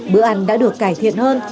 bữa ăn đã được cải thiện hơn